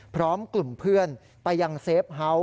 พร้อมกลุ่มเพื่อนไปยังเซฟเฮาส์